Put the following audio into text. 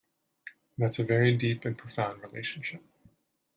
That's a very deep and profound relationship.